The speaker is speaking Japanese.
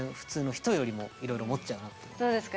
どうですか？